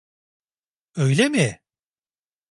Öyle mi?